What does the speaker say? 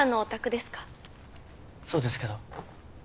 そうですけど。